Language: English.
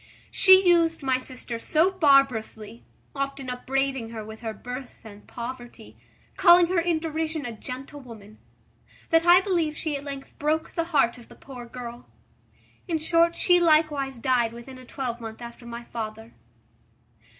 She used my sister so barbarously, often upbraiding her with her birth and poverty, calling her in derision a gentlewoman, that I believe she at length broke the heart of the poor girl. In short, she likewise died within a twelvemonth after my father.